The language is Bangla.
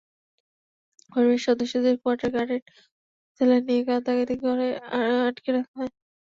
পরিবারের সদস্যদের কোয়ার্টার গার্ডের সেলে নিয়ে গাদাগাদি করে আটকে রাখা হয়।